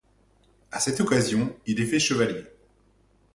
À cette occasion, il est fait chevalier.